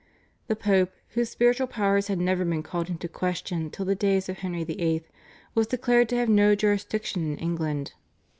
The Pope, whose spiritual powers had never been called into question till the days of Henry VIII., was declared to have no jurisdiction in England.